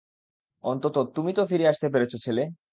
অন্তত, তুমি তো ফিরে আসতে পেরেছ, ছেলে!